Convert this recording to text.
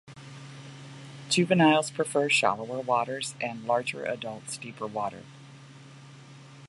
Juveniles prefer shallower waters and larger adults deeper water.